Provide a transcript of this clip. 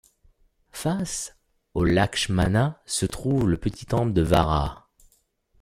Face au Lakshmana se trouve le petit temple de Varaha.